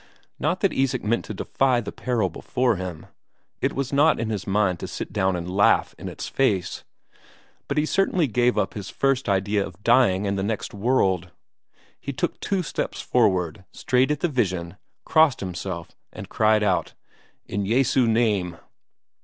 Not that Isak meant to defy the peril before him; it was not in his mind to sit down and laugh in its face, but he certainly gave up his first idea of dying and the next world. He took two steps forward straight at the vision, crossed himself, and cried out: "In Jesu name!"